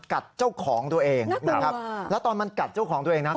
กัดเจ้าของตัวเองนะครับแล้วตอนมันกัดเจ้าของตัวเองนะ